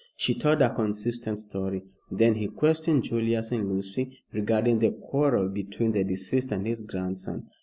She told a consistent story. Then he questioned Julius and Lucy regarding the quarrel between the deceased and his grandson.